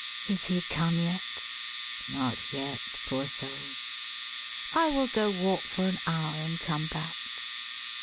" Is he come yet ?" Not yet, poor soul. " I will go walk for an hour and come back."